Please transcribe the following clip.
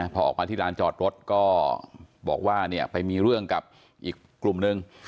พอออกมาที่ร้านจอดรถก็บอกว่าไปมีเรื่องกับอีกกลุ่มนึง